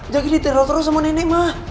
jaki diterol terus sama nenek ma